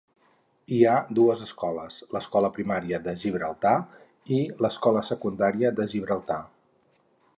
Hi ha dues escoles, l'escola primària de Gibraltar i l'escola secundària de Gibraltar.